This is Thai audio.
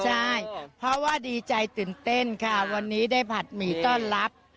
ใช่เพราะว่าดีใจตื่นเต้นค่ะวันนี้ได้ผัดหมี่ต้อนรับ